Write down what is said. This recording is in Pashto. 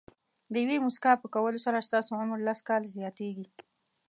د یوې موسکا په کولو سره ستاسو عمر لس کاله زیاتېږي.